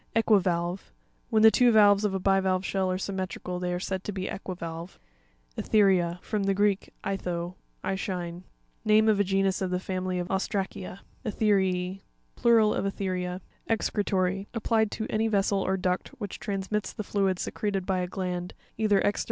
E'quivaLvE.—When the two valves of a bivalve shell are symmetrical they are said to be equivalve (page 97). Erne'r1s.—From the Greek, aithé, I shine. Name of a genus of the family of Ostracea (page 75). Erue'r12.—Plural of Etheria. Excre'rory.—Applied to any vessel or duct which transmits the fluid secreted by a gland, either exter.